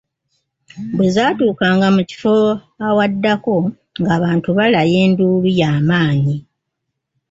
Bwe zaatuukanga mu kifo ewaddako ng'abantu balaya enduulu ya maanyi.